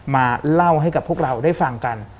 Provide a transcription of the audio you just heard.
มาเล่าให้กับพวกเราได้ฟังกัน